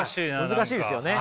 難しいですよね。